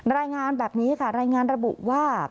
รายงานแบบนี้ค่ะรายงานระบุว่า